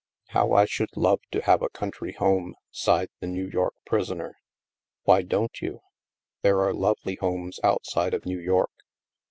4( How I should love to have a country home," sighed the New York prisoner. " Why don't you ? There are lovely homes out side of New York.